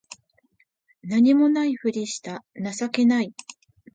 何も無いふりした情けない